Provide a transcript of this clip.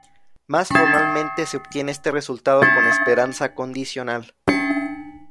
Más formalmente, se obtiene este resultado con esperanza condicional.